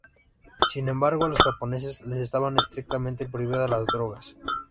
Sin embargo, a los japoneses les estaban estrictamente prohibidas las drogas.